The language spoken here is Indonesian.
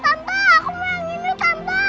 tante tante aku mau yang ini tante